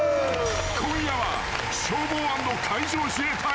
［今夜は消防＆海上自衛隊］